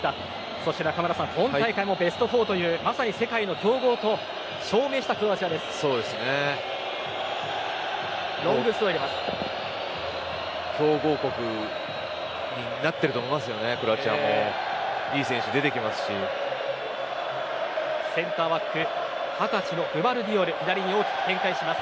そして、今大会もベスト４というまさに世界の強豪と証明した強豪国になっていると思います。